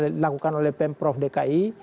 yang dilakukan oleh pemprov dki